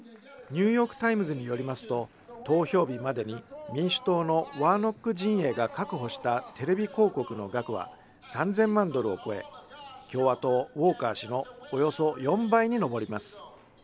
ニューヨークタイムズによりますと投票日までに民主党のワーノック陣営が確保したテレビ広告の額は３０００万ドルを超え、共和党、ウォーカー氏のおよそ４倍に上ります。